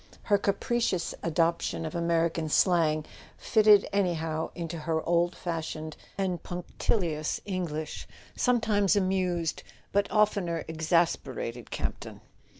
Her capricious adoption of American slang, fitted anyhow into her old fashioned and punctilious Eng¬ lish, sometimes amused but oftener exasperated Camp ton.